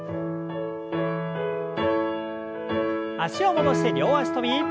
脚を戻して両脚跳び。